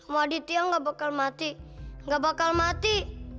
ma aditya gak bakal mati gak bakal mati